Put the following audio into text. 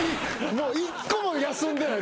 もう一個も休んでない。